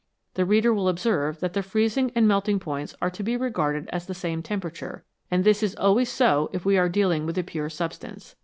The reader will observe that the freezing and melting points are to be regarded as the same temperature, and this is always so if we are dealing with a pure sub stance.